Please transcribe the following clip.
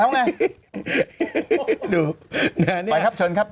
ไปครับเชิญครับ